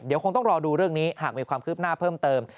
เดี๋ยวคงต้องรอดูเรื่องนี้หากมีความคืบหน้าเพิ่มเติม